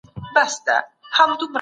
ایا مطالعه پر ټولنیزو اړیکو اغېز کوي؟